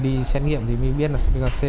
đi xét nghiệm thì mới biết là viêm gan c